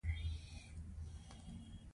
هغه کونډه تل په تورو ویرمنو جامو کې ګرځېدله.